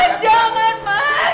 pak jangan pak